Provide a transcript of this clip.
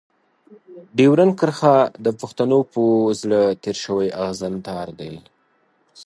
ډيورنډ کرښه د پښتنو په زړه تېر شوی اغزن تار دی.